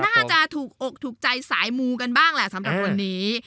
น่าจะถูกอกถูกใจสายมูกันบ้างแหละสำหรับวันนี้